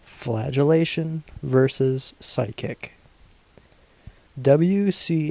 FLAGELLATION versus PHYSIC. W. C.